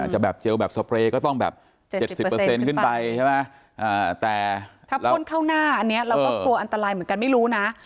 จะแบบเจลแบบสเปรย์ก็ต้องแบบ๗๐ขึ้นไปใช่ไหมแต่ถ้าพ่นเข้าหน้าอันนี้เราก็กลัวอันตรายเหมือนกันไม่รู้นะ